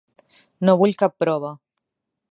No vull cap prova.